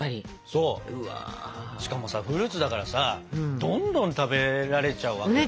そうしかもさフルーツだからさどんどん食べられちゃうわけよ。